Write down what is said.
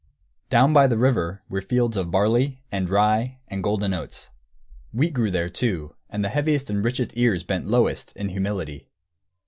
] Down by the river were fields of barley and rye and golden oats. Wheat grew there, too, and the heaviest and richest ears bent lowest, in humility.